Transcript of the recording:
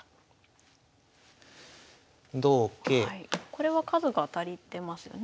これは数が足りてますよね。